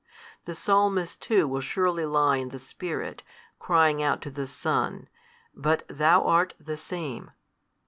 The Psalmist too will surely lie in the spirit, crying out to the Son, But Thou art the Same.